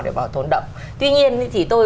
để bảo tồn đậm tuy nhiên thì tôi